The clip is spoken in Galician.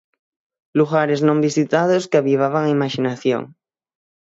Lugares non visitados que avivaban a imaxinación.